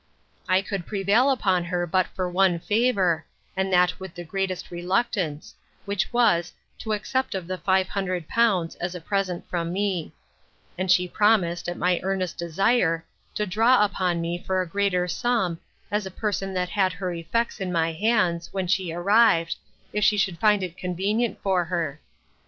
I could prevail upon her but for one favour, and that with the greatest reluctance; which was, to accept of the five hundred pounds, as a present from me; and she promised, at my earnest desire, to draw upon me for a greater sum, as a person that had her effects in my hands, when she arrived, if she should find it convenient for her.